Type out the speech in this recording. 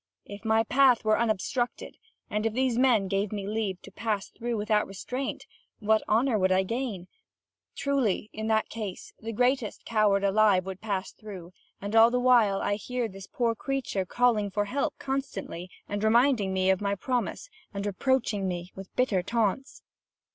If my path were unobstructed, and if these men gave me leave to pass through without restraint, what honour would I gain? Truly, in that case the greatest coward alive would pass through; and all the while I hear this poor creature calling for help constantly, and reminding me of my promise, and reproaching me with bitter taunts."